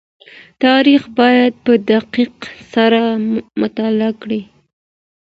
تاريخ بايد په دقت سره مطالعه کړئ.